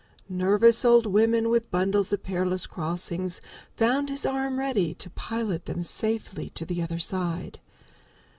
Nervous old women with bundles at perilous crossings found his arm ready to pilot them safely to the other side.